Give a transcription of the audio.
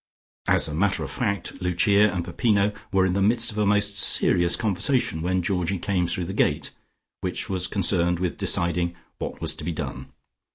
As a matter of fact, Lucia and Peppino were in the midst of a most serious conversation when Georgie came through the gate, which was concerned with deciding what was to be done.